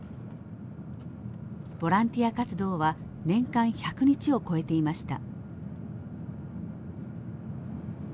ボランティア活動は年間１００日を超えていました。